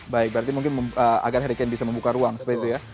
baik berarti mungkin agar harry kane bisa membuka ruang seperti itu ya